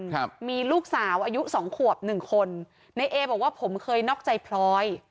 ครับมีลูกสาวอายุสองขวบหนึ่งคนในเอบอกว่าผมเคยนอกใจพลอย